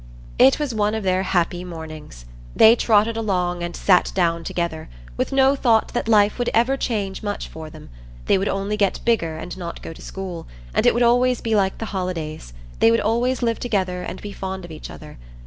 It was one of their happy mornings. They trotted along and sat down together, with no thought that life would ever change much for them; they would only get bigger and not go to school, and it would always be like the holidays; they would always live together and be fond of each other.